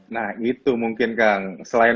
nah itu mungkin kang selain